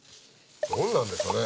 どんなんでしょうね